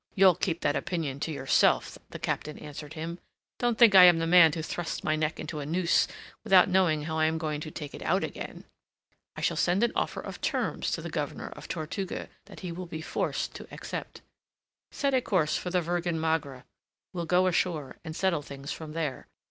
"You'll keep that opinion to yourself," the Captain answered him. "Don't think I am the man to thrust my neck into a noose, without knowing how I am going to take it out again. I shall send an offer of terms to the Governor of Tortuga that he will be forced to accept. Set a course for the Virgen Magra. We'll go ashore, and settle things from there.